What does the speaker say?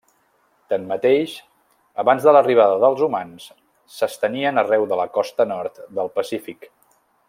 Tanmateix, abans de l'arribada dels humans, s'estenien arreu de la costa nord del Pacífic.